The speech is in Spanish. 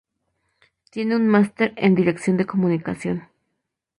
Tiene un Máster en Dirección de comunicación.